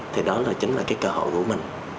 thì đó chính là cái cơ hội của mình